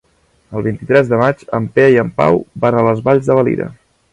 El vint-i-tres de maig en Pere i en Pau van a les Valls de Valira.